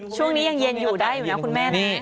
ช่วงนี้ยังเย็นอยู่ได้อยู่นะคุณแม่นี้